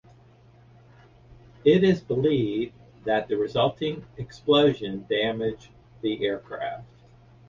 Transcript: It is believed that the resulting explosion damaged the aircraft.